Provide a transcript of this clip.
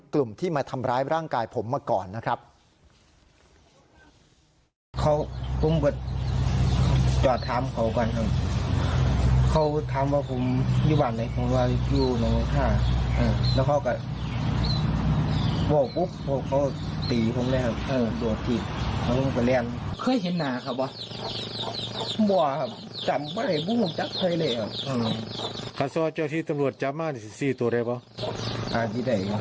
กลุ่มที่มาทำร้ายร่างกายผมมาก่อนนะครับ